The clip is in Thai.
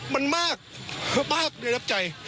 มันมากมากในรับใจ